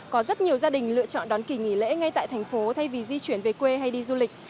có rất nhiều gia đình lựa chọn đón kỳ nghỉ lễ ngay tại thành phố thay vì di chuyển về quê hay đi du lịch